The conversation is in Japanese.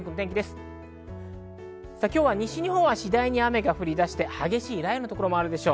今日は西日本は次第に雨が降り出して激しい雷雨の所もあるでしょう。